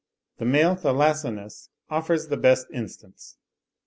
The male Thylacinus offers the best instance.